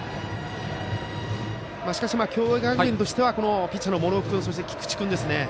しかし、共栄学園としてはピッチャーの茂呂君そして菊池君ですね。